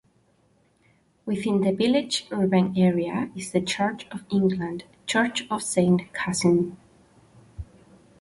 Within the village urban area is the Church of England church of Saint Cassian.